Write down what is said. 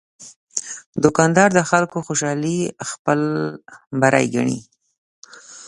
دوکاندار د خلکو خوشالي خپل بری ګڼي.